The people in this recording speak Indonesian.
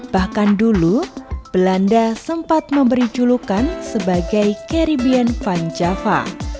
bahkan dulu belanda sempat memberi julukan sebagai carribean van java